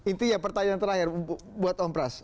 intinya pertanyaan terakhir buat om pras